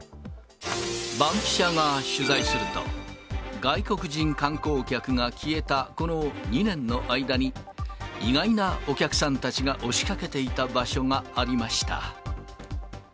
バンキシャが取材すると、外国人観光客が消えたこの２年の間に、意外なお客さんたちが押しかけていた場所がありました。